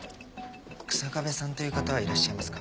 草壁さんという方はいらっしゃいますか？